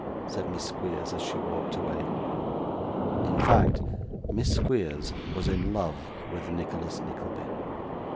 said Miss Squeers, as she walked away. In fact, Miss Squeers was in love with Nicholas Nickleby.